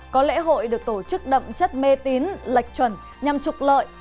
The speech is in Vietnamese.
có lễ hội được tổ chức đậm chất mê tín lạch chuẩn nhằm trục lợi